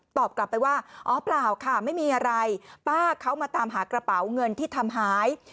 กลับไปว่าอ๋อเปล่าค่ะไม่มีอะไรป้าเขามาตามหากระเป๋าเงินที่ทำหาย